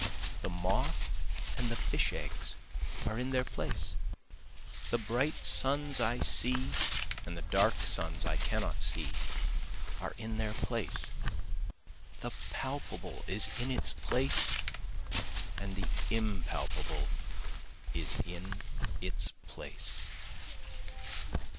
(The moth and the fish eggs are in their place, The bright suns I see and the dark suns I cannot see are in their place, The palpable is in its place and the impalpable is in its place.)